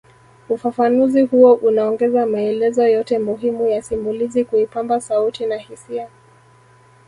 Ufafanuzi huo unaongeza maelezo yote muhimu ya simulizi kuipamba sauti na hisia